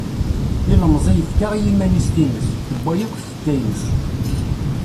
Ilemẓi yefka i yiman-is times, tewwa akk tfekka-ines.